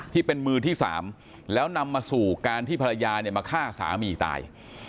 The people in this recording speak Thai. ที่เป็นมือที่๓แล้วนำมาสู่การที่ภรรยาเนี่ยมาฆ่าสามีตาย